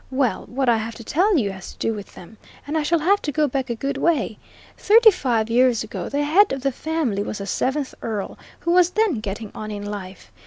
Well, what I have to tell you has to do with them, and I shall have to go back a good way. Thirty five years ago the head of the family was the seventh Earl, who was then getting on in life.